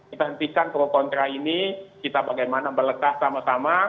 kita hentikan pro kontra ini kita bagaimana melekah sama sama